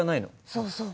そうそう。